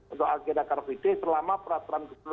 untuk agenda karakteristik selama peraturan berikutnya